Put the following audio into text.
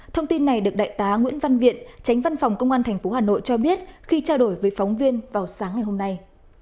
thông tin này được đại tá nguyễn văn viện tránh văn phòng công an tp hà nội cho biết khi trao đổi với phóng viên vào sáng ngày hôm nay